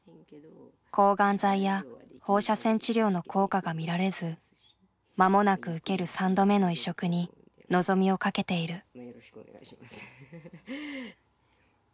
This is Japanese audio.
抗がん剤や放射線治療の効果が見られず間もなく受ける３度目の移植に望みを懸けている。